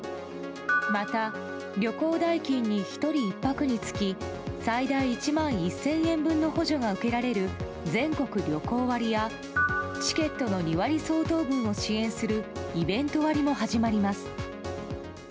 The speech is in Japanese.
また旅行代金に１人１泊につき最大１万１０００円分の補助が受けられる全国旅行割やチケットの２割相当分を支援するイベント割も始まります。